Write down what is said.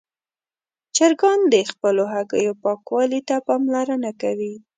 چرګان د خپلو هګیو پاکوالي ته پاملرنه کوي.